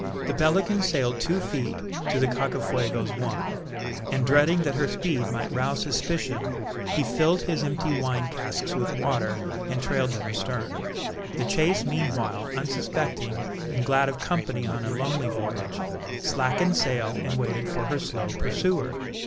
The Pelican sailed two feet to the Cacafuego's one, and dreading that her speed might rouse suspicion, he filled his empty wine casks with water and trailed them astern. The chase meanwhile unsuspecting, and glad of company on a lonely voyage, slackened sail and waited for her slow pursuer.